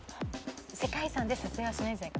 世界遺産で撮影はしないんじゃないかと。